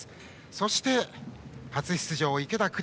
そして初出場、池田紅。